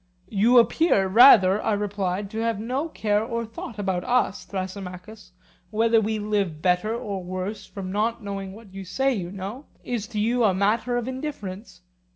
You appear rather, I replied, to have no care or thought about us, Thrasymachus—whether we live better or worse from not knowing what you say you know, is to you a matter of indifference.